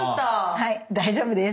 はい大丈夫です。